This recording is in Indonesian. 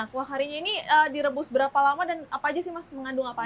kuah karinya ini direbus berapa lama dan mengandung apa aja